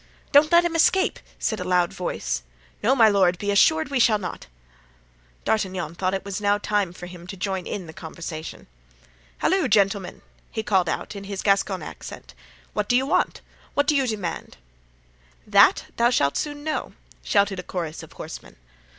"Don't let him escape!" said a loud voice. "No, my lord; be assured we shall not." D'Artagnan thought it was now time for him to join in the conversation. "Halloo, gentlemen!" he called out in his Gascon accent, "what do you want? what do you demand?" "That thou shalt soon know," shouted a chorus of horsemen.